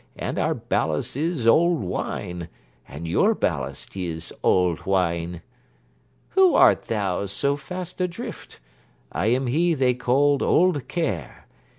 And our ballast is old wine; And your ballast is old wine. Who art thou, so fast adrift? I am he they call Old Care.